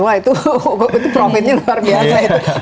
wah itu profitnya luar biasa itu